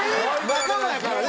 仲間やからね！